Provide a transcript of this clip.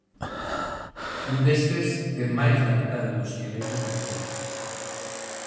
Un destes ten máis da metade do esqueleto completo.